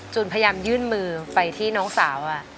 พยายามยื่นมือไปที่น้องสาว